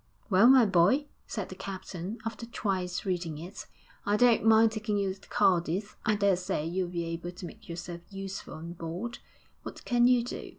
'Well, my boy,' said the captain, after twice reading it; 'I don't mind taking you to Cadiz; I daresay you'll be able to make yourself useful on board. What can you do?'